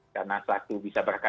karena satu bisa berangkat